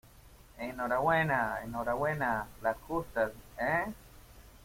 enhorabuena. enhorabuena las justas, ¿ eh?